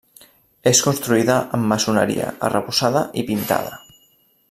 És construïda amb maçoneria, arrebossada i pintada.